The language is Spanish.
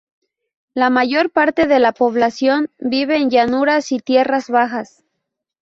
La mayor parte de la población vive en llanuras y tierras bajas.